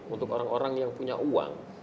untuk orang orang yang punya uang